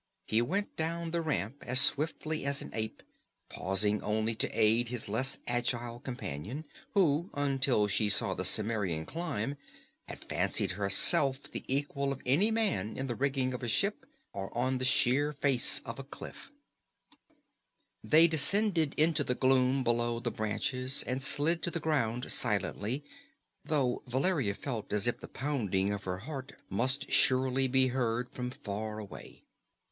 He went down the ramp as swiftly as an ape, pausing only to aid his less agile companion, who, until she saw the Cimmerian climb, had fancied herself the equal of any man in the rigging of a ship or on the sheer face of a cliff. They descended into the gloom below the branches and slid to the ground silently, though Valeria felt as if the pounding of her heart must surely be heard from far away.